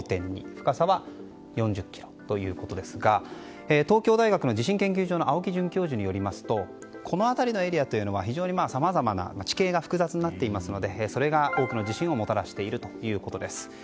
深さは４０ｋｍということですが東京大学の地震研究所の青木准教授によりますとこの辺りのエリアは非常にさまざまな地形が複雑になっていますのでそれが多くの地震をもたらしているということです。